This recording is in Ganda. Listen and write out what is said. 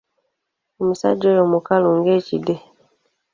Omusajja oyo mukalu ng'ekide.